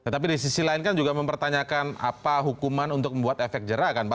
tapi di sisi lain kan juga mempertanyakan apa hukuman untuk membuat efek jerah kan pak